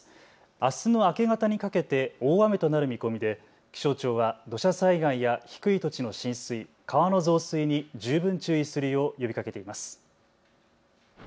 あすの明け方にかけて大雨となる見込みで気象庁は土砂災害や低い土地の浸水、川の増水に十分注意するよう呼びかけています。